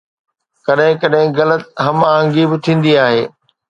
ڪڏهن ڪڏهن غلط هم آهنگي به ٿيندي آهي